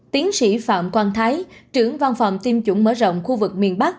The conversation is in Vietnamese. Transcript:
tiến sĩ phạm quang thái trưởng văn phòng tiêm chủng mở rộng khu vực miền bắc